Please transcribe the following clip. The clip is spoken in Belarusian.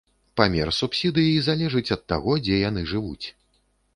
Памер субсідыі залежыць ад таго, дзе яны жывуць.